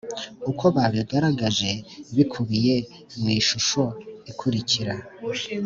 Uko babigaragaje bikubiye mu ishusho ikurikira